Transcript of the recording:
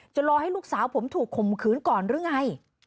รอให้ลูกสาวผมถูกข่มขืนก่อนหรือไง